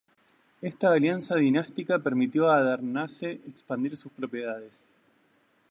Esta alianza dinástica permitió a Adarnase expandir sus propiedades.